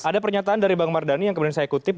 ada pernyataan dari bang mardhani yang kemudian saya kutip